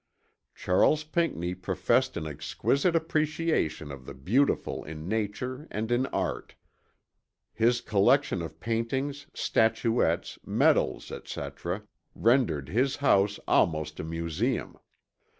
"Charles Pinckney professed an exquisite appreciation of the beautiful in nature and in art. His collection of paintings, statuettes, medals, etc., rendered his house almost a museum.